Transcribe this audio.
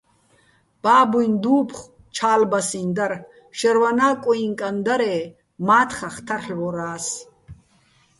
ბაბუიჼ დუფხო̆ ჩა́ლბასიჼ დარ, შერვანა́ კუიჼ კან დარე́ მა́თხახ თარლ'ვორა́ს.